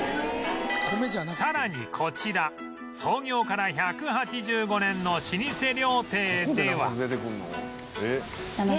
さらにこちら創業から１８５年の老舗料亭では